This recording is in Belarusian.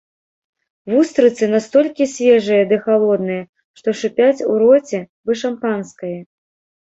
Вустрыцы настолькі свежыя ды халодныя, што шыпяць у роце, бы шампанскае.